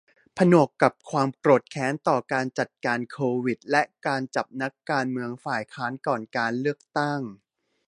ผนวกกับความโกรธแค้นต่อการจัดการโควิด และการจับนักการเมืองฝ่ายค้านก่อนการเลือกตั้ง